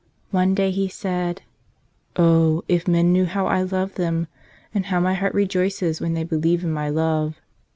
One day He said, "Oh, if men knew how I love them and how My Heart rejoices when they believe in My love.